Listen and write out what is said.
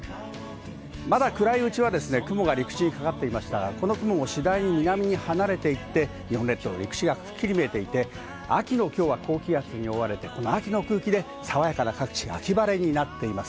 まだ暗いうちはですね、雲が陸地にかかっていましたが、この雲も次第に南に離れていって、日本列島の陸地がくっきり見えていて、秋のきょうは高気圧に覆われてこの秋の空気で爽やかな各地、秋晴れになっています。